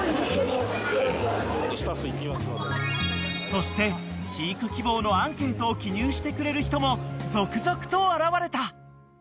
［そして飼育希望のアンケートを記入してくれる人も続々と現れた］